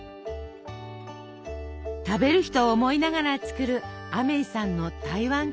食べる人を思いながら作るアメイさんの台湾カステラ。